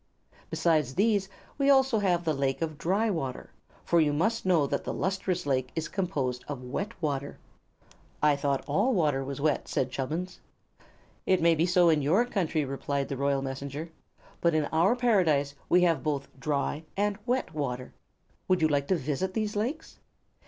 Besides these, we have also the Lake of Dry Water, for you must know that the Lustrous Lake is composed of wet water." "I thought all water was wet," said Chubbins. "It may be so in your country," replied the Royal Messenger, "but in our Paradise we have both dry and wet water. Would you like to visit these lakes?"